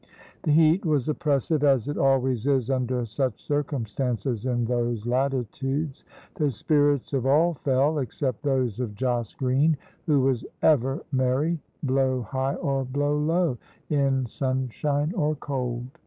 The heat was oppressive, as it always is under such circumstances in those latitudes; the spirits of all fell, except those of Jos Green, who was ever merry, blow high or blow low, in sunshine or cold.